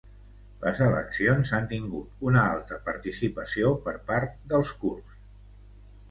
Les eleccions han tingut una alta participació per part dels kurds